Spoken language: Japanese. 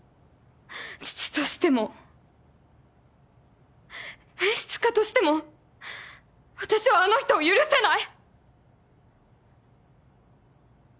父としても演出家としても私はあの人を許せない！